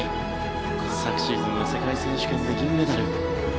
昨シーズンは世界選手権で銀メダル。